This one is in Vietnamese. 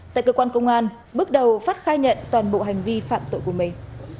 tại cơ quan công an bước đầu phát khai nhận toàn bộ hành vi phạm tội của mình